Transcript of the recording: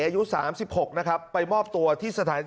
อายุ๓๖นะครับไปมอบตัวที่สถานี